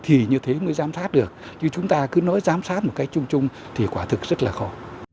đấy mới giám sát được chứ chúng ta cứ nói giám sát một cách chung chung thì quả thực rất là khó